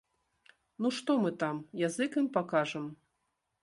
Ну што мы там, язык ім пакажам?